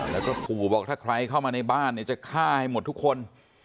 แล้วก็ขู่บอกถ้าใครเข้ามาในบ้านเนี่ยจะฆ่าให้หมดทุกคน